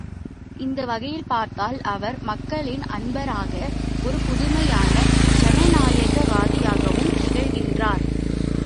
இந்த வகையில் பார்த்தால், அவர் மக்களின் அன்பராக, ஒரு புதுமையான ஜனநாயகவாதியாகவும் திகழ்கின்றார்.